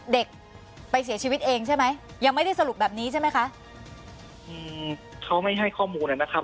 เด็กไปเสียชีวิตเองใช่ไหมยังไม่ได้สรุปแบบนี้ใช่ไหมคะอืมเขาไม่ให้ข้อมูลนะครับ